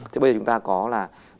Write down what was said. thế bây giờ chúng ta có là